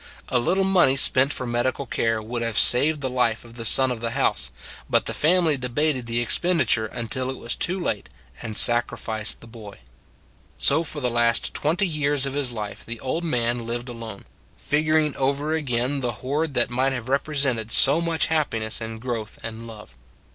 A little money spent for medical care would have saved 174 Working for It the life of the son of the house, but the family debated the expenditure until it was too late, and sacrificed the boy. So for the last twenty years of his life the old man lived alone, figuring over again the hoard that might have repre sented so much in happiness and growth and love.